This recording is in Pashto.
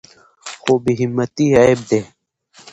خو بې همتي عیب دی.